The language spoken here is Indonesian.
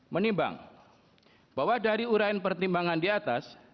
menimbang seiranya smileline